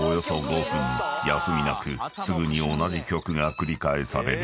［休みなくすぐに同じ曲が繰り返される］